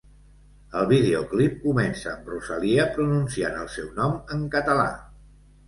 El videoclip comença amb Rosalia pronunciant el seu nom en català.